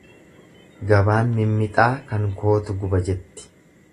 Gabaan mimmixaa kan kootu guba jetti.